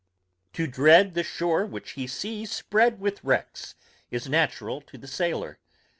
To dread the shore which he sees spread with wrecks, is natural to the sailor.